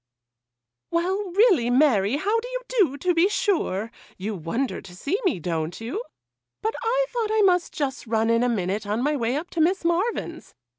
'Well, really, Mary, how do you do, to be sure? You wonder to see me, don't you? but I thought I must just run in a minute on my way up to Miss Marvyn's.